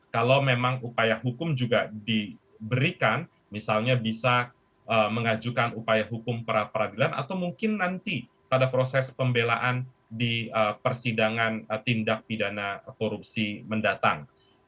kalau memang upaya hukum juga diberikan misalnya bisa mengajukan upaya hukum peradilan atau mungkin nanti pada proses pembelaan di persidangan tindak pidana korupsi mendatang